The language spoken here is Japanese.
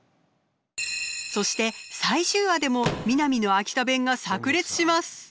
そして最終話でも美波の秋田弁が炸裂します。